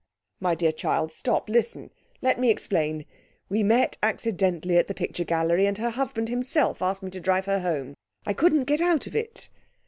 'My dear child, stop, listen! let me explain. We met accidentally at the picture gallery, and her husband himself asked me to drive her home. I couldn't get out of it.'